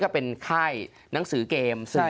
ก็เป็นค่ายหนังสือเกม